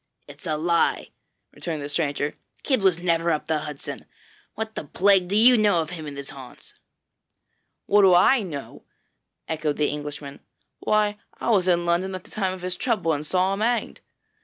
'It is a lie,' returned the stranger; 'Kidd was never up the Hudson! What the plague do you know of him and his haunts?' 'What do I know?' echoed the Englishman. 'Why, I was in London at the time of his trouble and saw him hanged.'